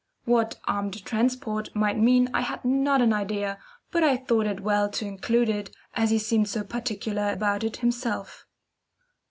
What "Armed Transport" might mean I had not an idea, but I thought it well to include it, as he seemed so particular about it himself.